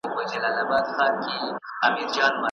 د چایو ډېر څښل د بدن د اوسپنې جذب کموي.